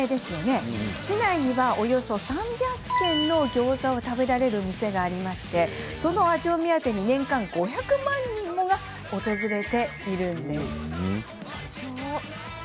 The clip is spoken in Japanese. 市内には、およそ３００軒のギョーザを食べられる店があるといわれ、その味を目当てに年間５００万人もが訪れるんです。